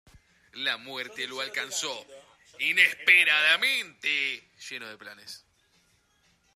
La muerte lo alcanzó inesperadamente, lleno de planes.